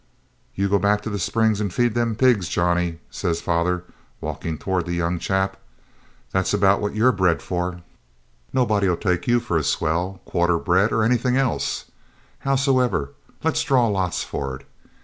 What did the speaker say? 'You go back to the Springs and feed them pigs, Johnny,' says father, walking towards the young chap. 'That's about what YOU'RE bred for; nobody'll take you for a swell, quarter bred, or anything else. Howsoever, let's draw lots for it.